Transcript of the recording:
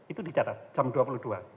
itu dicatat jam dua puluh dua